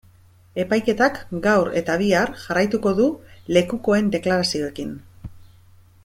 Epaiketak gaur eta bihar jarraituko du lekukoen deklarazioekin.